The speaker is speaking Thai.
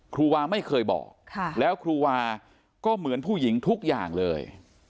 ครูวาไม่เคยบอกแล้วครูวาก็เหมือนผู้หญิงทุกอย่างเลย